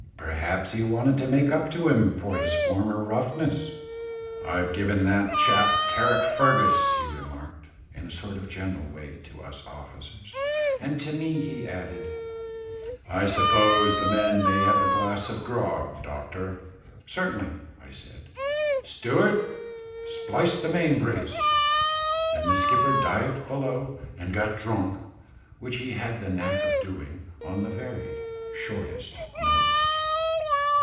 Perhaps he wanted to make up to him, for his former roughness. "I've given that chap Carrickfergus," he remarked, in a sort of a general way to us officers; and to me he added, "I suppose the men may have a glass of grog, doctor." "Certainly," I said. "Steward, splice the main brace." Then the skipper dived below and got drunk, which he had the knack of doing on the very shortest notice.